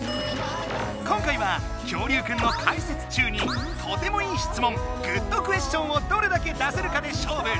今回は恐竜くんの解説中にとてもいい質問「グッドクエスチョン」をどれだけ出せるかで勝負。